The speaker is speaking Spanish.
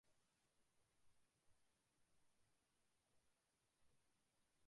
Desde la infancia estudiaba violín en su ciudad natal.